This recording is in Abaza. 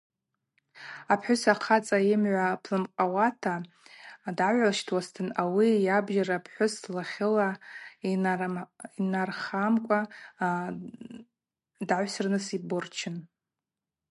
Апхӏвыс ахъацӏа йымгӏва плымкъуата дагӏвылщтуазтын ауи йабджьар апхӏвыс лахьыла йнархамкӏва дагӏвсырныс йборчын.